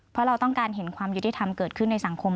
เพราะเราต้องการเห็นความยุติธรรมเกิดขึ้นในสังคม